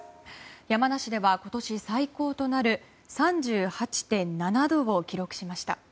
山梨では今年最高となる３８．７度を記録しました。